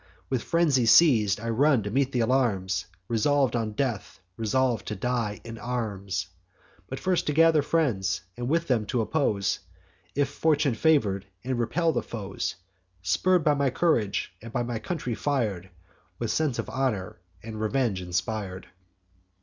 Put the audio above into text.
With frenzy seiz'd, I run to meet th' alarms, Resolv'd on death, resolv'd to die in arms, But first to gather friends, with them t' oppose If fortune favour'd, and repel the foes; Spurr'd by my courage, by my country fir'd, With sense of honour and revenge inspir'd.